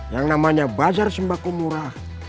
yang namanya bazar sembako murah